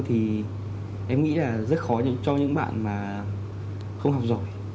thì em nghĩ là rất khó cho những bạn mà không học giỏi